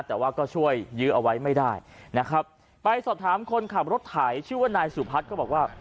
แต่ว่าก็ช่วยยื้อเอาไว้ไม่ได้นะครับไปสอบถามคนขับรถไถชื่อว่านายสุพัฒน์ก็บอกว่า